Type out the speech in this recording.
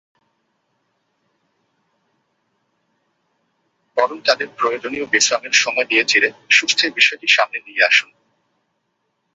বরং তাদের প্রয়োজনীয় বিশ্রামের সময় দিয়ে ধীরে-সুস্থে বিষয়টি সামনে নিয়ে আসুন।